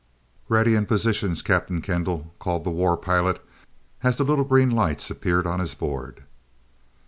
"Ready in positions, Captain Kendall," called the war pilot as the little green lights appeared on his board.